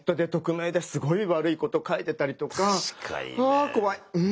あ怖い！